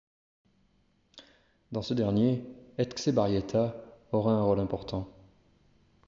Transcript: Dans ce dernier Etxebarrieta aura un rôle important.